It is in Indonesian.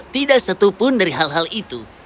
tidak satupun dari hal hal itu